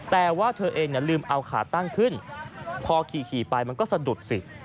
แต่ว่าเธอเองลืมเอาขาตั้งขึ้นพอขี่ไปมันก็สะดุดสิ